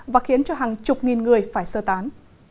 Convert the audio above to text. và khiến cho hàng chục nghìn người phải sơ tán